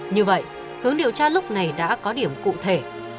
như vậy hướng điều tra lúc này đã có điểm cụ thể